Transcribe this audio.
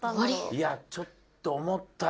いやちょっと思ったより。